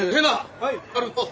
はい。